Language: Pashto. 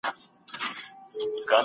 د علم زده کړه د انسان دنده ده.